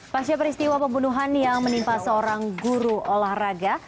pasca peristiwa pembunuhan yang menimpa seorang guru olahraga